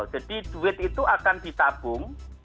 jadi duit itu akan ditabung